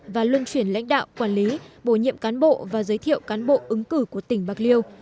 và luân chuyển lãnh đạo quản lý bổ nhiệm cán bộ và giới thiệu cán bộ ứng cử của tỉnh bạc liêu